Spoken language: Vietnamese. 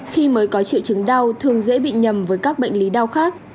khi mới có triệu chứng đau thường dễ bị nhầm với các bệnh lý đau khác